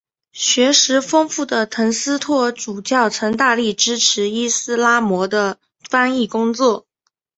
学识丰富的滕斯托尔主教曾大力支持伊拉斯谟的翻译工作。